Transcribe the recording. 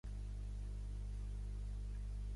El club toca al nou parc Rongomai a Manukau, Auckland.